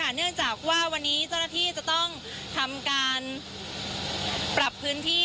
เนื่องจากว่าวันนี้เจ้าหน้าที่จะต้องทำการปรับพื้นที่